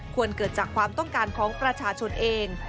ควรเกิดจากความต้องการของประชาชนเอง